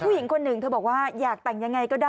ผู้หญิงคนหนึ่งเธอบอกว่าอยากแต่งยังไงก็ได้